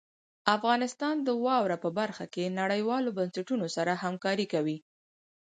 افغانستان د واوره په برخه کې نړیوالو بنسټونو سره کار کوي.